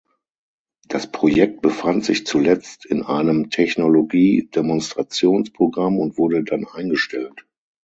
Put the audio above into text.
Das Projekt befand sich zuletzt in einem Technologie-Demonstrationsprogramm und wurde dann eingestellt.